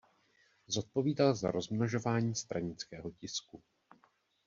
Zodpovídal za rozmnožování stranického tisku.